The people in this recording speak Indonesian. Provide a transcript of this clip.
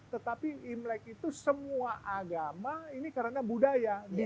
tetapi imlek itu semua agama ini karena budaya